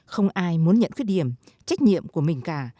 không ai muốn nhận khuyết điểm trách nhiệm của mình cả